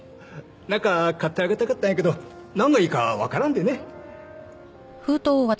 何か買ってあげたかったんやけど何がいいかわからんでね。